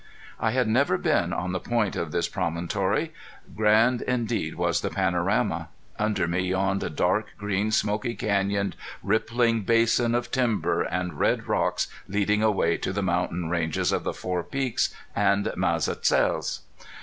I had never been on the point of this promontory. Grand indeed was the panorama. Under me yawned a dark green, smoky canyoned, rippling basin of timber and red rocks leading away to the mountain ranges of the Four Peaks and Mazatzals.